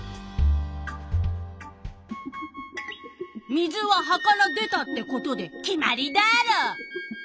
水は葉から出たってことで決まりダーロ！